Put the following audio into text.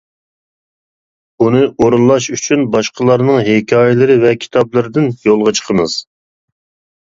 بۇنى ئورۇنلاش ئۈچۈن باشقىلارنىڭ ھېكايىلىرى ۋە كىتابلىرىدىن يولغا چىقىمىز.